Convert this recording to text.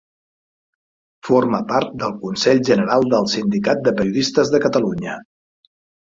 Forma part del Consell General del Sindicat de Periodistes de Catalunya.